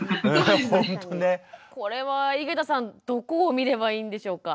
これは井桁さんどこを見ればいいんでしょうか？